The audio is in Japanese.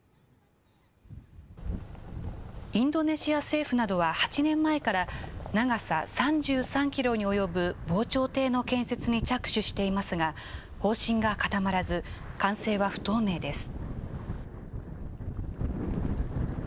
インドネシア政府などは、８年前から長さ３３キロに及ぶ防潮堤の建設に着手していますが、方針が固まらず、完成は不透明です。